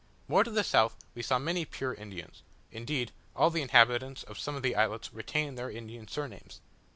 More to the south we saw many pure Indians: indeed, all the inhabitants of some of the islets retain their Indian surnames.